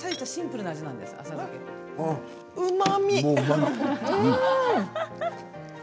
うまみ。